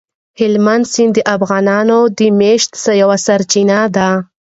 هلمند سیند د افغانانو د معیشت یوه سرچینه ده.